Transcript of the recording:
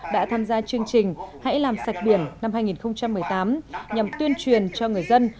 đã tham gia chương trình hãy làm sạch biển năm hai nghìn một mươi tám nhằm tuyên truyền cho người dân